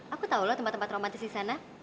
aku tahulah tempat tempat romantis di sana